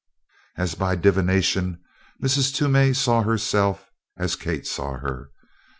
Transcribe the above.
As by divination, Mrs. Toomey saw herself as Kate saw her.